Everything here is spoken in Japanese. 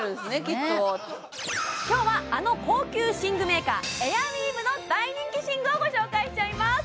きっと今日はあの高級寝具メーカーエアウィーヴの大人気寝具をご紹介しちゃいます